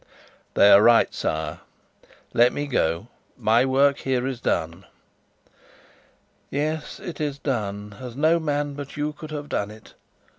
"They are right, sire. Let me go. My work here is done." "Yes, it is done, as no man but you could have done it.